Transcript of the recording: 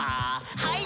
はい。